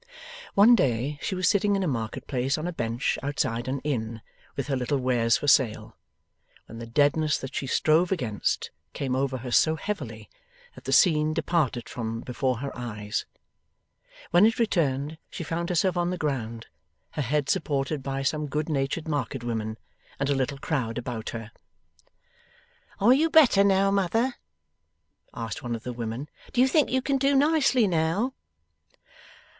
One day she was sitting in a market place on a bench outside an inn, with her little wares for sale, when the deadness that she strove against came over her so heavily that the scene departed from before her eyes; when it returned, she found herself on the ground, her head supported by some good natured market women, and a little crowd about her. 'Are you better now, mother?' asked one of the women. 'Do you think you can do nicely now?